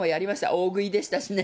大食いでしたしね。